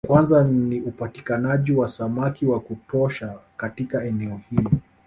Kwanza ni upatikanaji wa samaki wa kutosha katika eneo hilo